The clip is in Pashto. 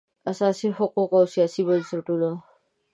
اساسي حقوق او سیاسي بنسټونه